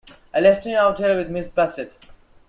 I left him out here with Miss Bassett.